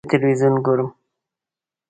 زه تلویزیون ګورم.